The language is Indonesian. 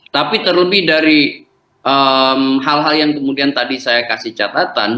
tapi terlebih dari hal hal yang kemudian tadi saya kasih catatan